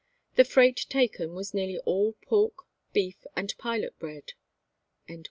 The freight taken was nearly all pork, beef, and pilot bread."